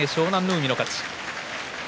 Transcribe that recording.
海の勝ち。